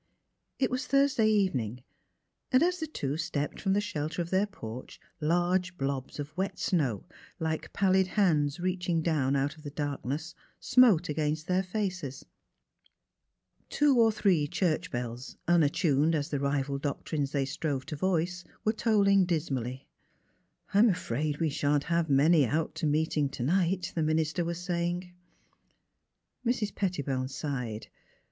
It was Thursday evening, and as the two stepped from the shelter of their porch large blobs of wet snow, like pallid hands reaching down out 33 34 THE HEART OF PHILURA of the darkness, smote against tlieir faces. Two or three church bells, unattuned as the rival doctrines they strove to voice, were tolling dis mally. ''I'm afraid we shan't have many out to meet ing to night," the minister was saying. Mrs. Pettibone sighed.